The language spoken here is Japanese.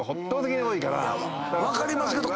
分かりますけど。